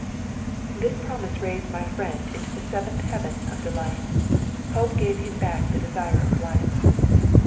'" This promise raised my friend into the seventh heaven of delight. Hope gave him back the desire of life.